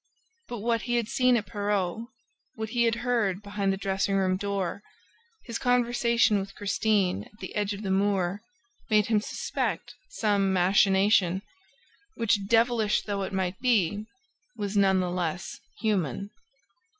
But what he had seen at Perros, what he had heard behind the dressing room door, his conversation with Christine at the edge of the moor made him suspect some machination which, devilish though it might be, was none the less human.